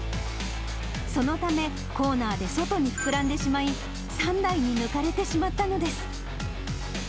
そのため、コーナーで外に膨らんでしまい、３台に抜かれてしまったのです。